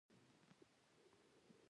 سندره د وصال څرک دی